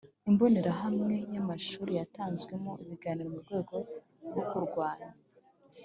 Imbonerahamwe Ya Amashuri Yatanzwemo Ibiganiro Mu Rwego Rwo Kurwanya